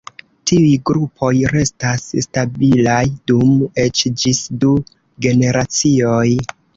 Tiuj grupoj restas stabilaj dum eĉ ĝis du generacioj.